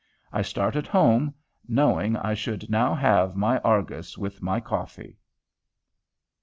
I started home, knowing I should now have my Argus with my coffee.